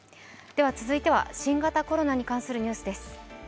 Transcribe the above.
続いては新型コロナに関するニュースです。